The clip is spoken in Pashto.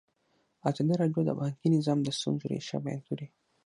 ازادي راډیو د بانکي نظام د ستونزو رېښه بیان کړې.